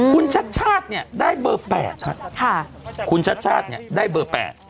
คุณชัดชัดเนี่ยได้เบอร์๘